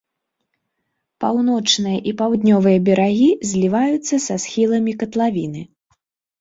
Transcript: Паўночныя і паўднёвыя берагі зліваюцца са схіламі катлавіны.